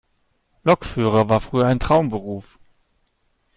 Lokführer war früher ein Traumberuf.